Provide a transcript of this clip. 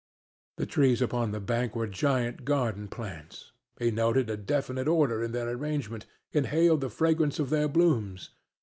The trees upon the bank were giant garden plants; he noted a definite order in their arrangement, inhaled the fragrance of their blooms.